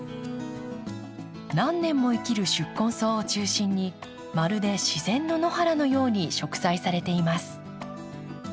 何年も生きる宿根草を中心にまるで自然の野原のように植栽されています。